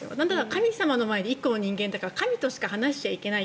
神様の前では１個の人間だから神としか話してはいけない。